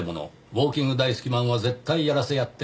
「ウォーキング大好きマンは絶対ヤラセやってるわ」